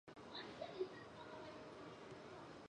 奥伊滕是德国下萨克森州的一个市镇。